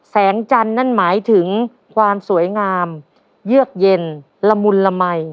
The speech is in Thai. แสงจันทร์นั่นหมายถึงความสวยงามเยือกเย็นละมุนละมัย